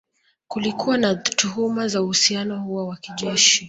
Kulikuwa na tuhuma za uhusiano huo wa kijeshi